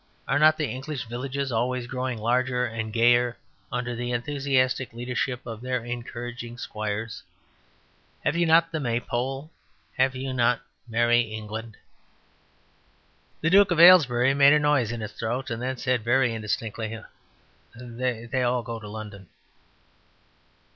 Are not the English villages always growing larger and gayer under the enthusiastic leadership of their encouraging squires? Have you not the Maypole? Have you not Merry England?" The Duke of Aylesbury made a noise in his throat, and then said very indistinctly: "They all go to London."